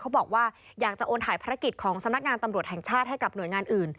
เขาบอกว่าอยากจะโอนถ่ายภารกิจของสำนักงานตำรวจแห่งชาติให้กับหน่วยงานอื่น